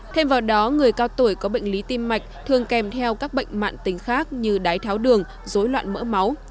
thêm vào đó người cao tuổi có bệnh lý tim mạch thường kèm theo các bệnh mạng tính khác như đái tháo đường dối loạn mỡ máu